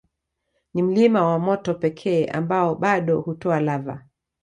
Ni mlima wa moto pekee ambao bado hutoa lava